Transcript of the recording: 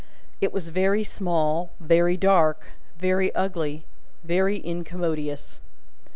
It was very small, very dark, very ugly, very incommodious.